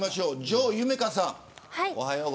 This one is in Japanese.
城夢叶さん。